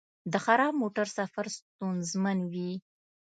د خراب موټر سفر ستونزمن وي.